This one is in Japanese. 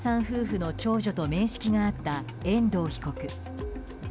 夫婦の長女と面識があった遠藤被告。